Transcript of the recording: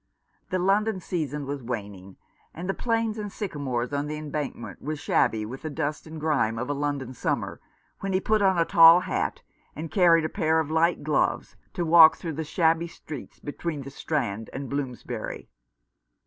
The London season was waning, and the planes and sycamores on the embankment were shabby with the dust and grime of a London summer, when he put on a tall hat and carried a pair of light gloves, to walk through the shabby streets between the Strand and Bloomsbury.